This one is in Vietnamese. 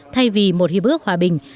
thay vì một hiệp bước hòa bình